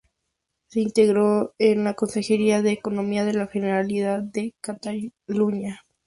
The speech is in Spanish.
Se integró en la Consejería de Economía de la Generalidad de Cataluña.